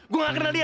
saya gak kenal dia